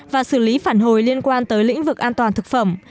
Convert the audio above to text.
và xử lý phản hồi liên quan tới lĩnh vực an toàn thực phẩm